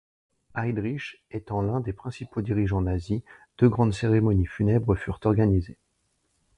Heydrich étant l'un des principaux dirigeants nazis, deux grandes cérémonies funèbres furent organisées.